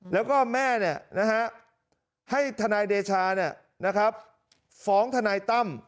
แล้วก็แม่ให้ทนายเดชาฟ้องทนายตั้ม